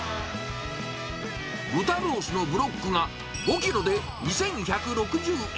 豚ロースのブロックが５キロで２１６０円。